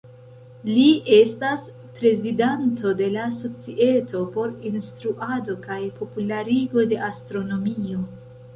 Li estas prezidanto de la Societo por Instruado kaj Popularigo de Astronomio.